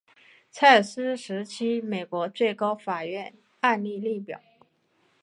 蔡斯时期美国最高法院案例列表